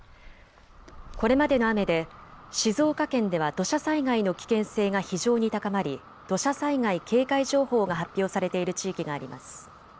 これまでの雨で静岡県では土砂災害の危険性が非常に高まり土砂災害警戒情報が発表されている地域があります。